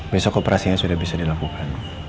besok operasinya sudah bisa dilakukan